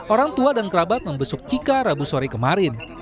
orang tua dan kerabat membesuk cika rabu sore kemarin